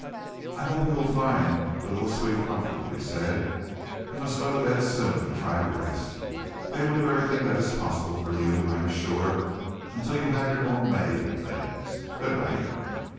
"I hope you will find the little suite comfortable," he said. "You must go to bed soon, and try and rest. They will do everything that is possible for you, I am sure, until you have your own maid and things. Good night!"